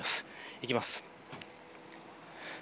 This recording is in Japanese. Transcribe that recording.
いきます。